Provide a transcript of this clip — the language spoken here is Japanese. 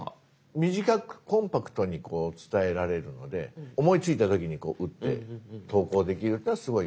短くコンパクトに伝えられるので思いついた時にこう打って投稿できるっていうのはすごい。